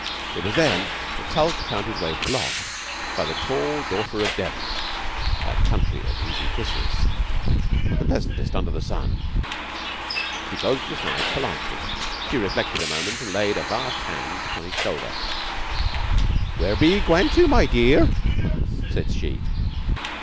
It was then that Tulke found his way blocked by a tall daughter of Devon that county of easy kisses, the pleasantest under the sun. He dodged aside politely. She reflected a moment, and laid a vast hand upon his shoulder. "Where be 'ee gwaine tu, my dearr?" said she.